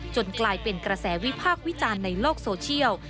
กลายเป็นกระแสวิพากษ์วิจารณ์ในโลกโซเชียล